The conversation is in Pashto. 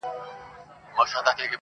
اوس رستم غوندي ورځم تر كندوگانو-